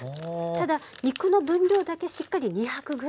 ただ肉の分量だけしっかり２００ｇ。